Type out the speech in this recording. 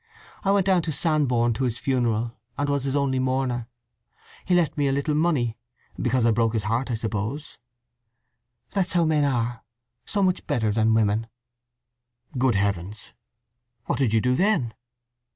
I went down to Sandbourne to his funeral, and was his only mourner. He left me a little money—because I broke his heart, I suppose. That's how men are—so much better than women!" "Good heavens!—what did you do then?"